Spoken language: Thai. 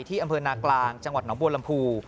ที่อำเภอนากลางจังหวัดหนองบวรรมภู